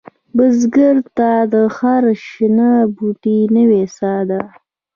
بزګر ته هره شنه بوټۍ نوې سا ده